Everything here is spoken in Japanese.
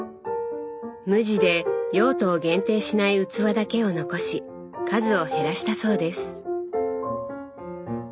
無地で用途を限定しない器だけを残し数を減らしたそうです。